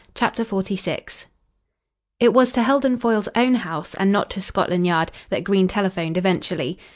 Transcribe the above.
CHAPTER XLVI It was to Heldon Foyle's own house, and not to Scotland Yard, that Green telephoned eventually.